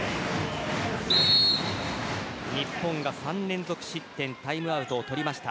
日本が３連続失点タイムアウトを取りました。